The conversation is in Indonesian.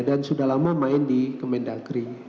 sudah lama main di kemendagri